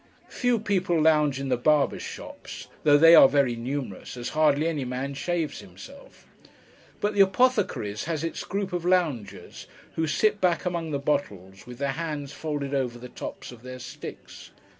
Few people lounge in the barbers' shops; though they are very numerous, as hardly any man shaves himself. But the apothecary's has its group of loungers, who sit back among the bottles, with their hands folded over the tops of their sticks.